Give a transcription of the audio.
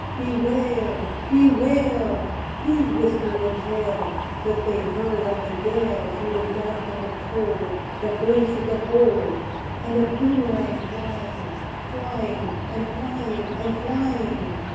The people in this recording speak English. Bewail! bewail! Who whispered a tale, That they heard on the gale, Through the dark and the cold, The voice of the bold; And a boomerang flying; Flying, and flying, and flying?